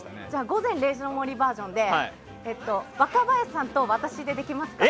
「午前０時の森」バージョンで若林さんと私でできますか？